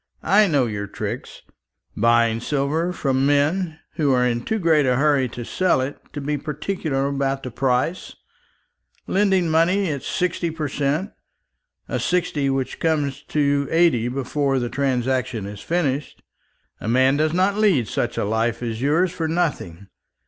I know your tricks: buying silver from men who are in too great a hurry to sell it to be particular about the price; lending money at sixty per cent, a sixty which comes to eighty before the transaction is finished. A man does not lead such a life as yours for nothing.